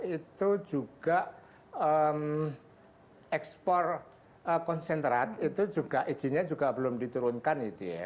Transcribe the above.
itu juga ekspor konsentrat itu juga izinnya belum diturunkan